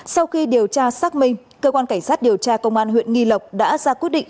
sau khi điều tra xác minh cơ quan cảnh sát điều tra công an huyện nghi lộc đã ra quyết định